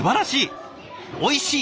おいしい